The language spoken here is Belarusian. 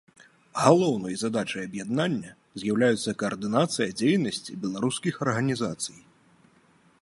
Галоўнай задачай аб'яднання з'яўляецца каардынацыя дзейнасці беларускіх арганізацый.